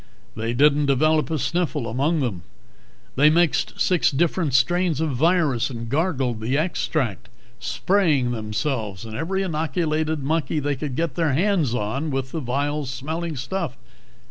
They didn't develop a sniffle among them. They mixed six different strains of virus and gargled the extract, spraying themselves and every inoculated monkey they could get their hands on with the vile smelling stuff.